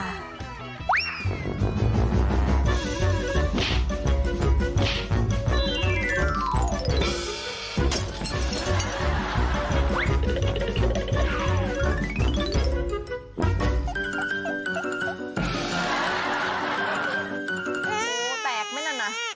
โอ้โฮแตกมั้ยนั่นน่ะ